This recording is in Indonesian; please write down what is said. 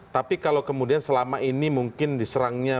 tapi kalau kemudian selama ini mungkin diserangnya